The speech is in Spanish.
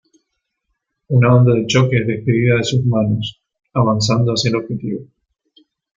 Una onda de choque es despedida de sus manos, avanzando hacia el objetivo.